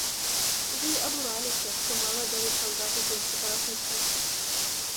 Ды й абураліся, што мала далі салдаты тым сепаратыстам!